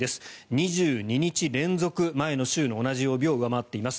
２２日連続、前の週の同じ曜日を上回っています。